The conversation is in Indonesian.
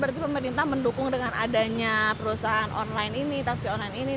berarti pemerintah mendukung dengan adanya perusahaan online ini taksi online ini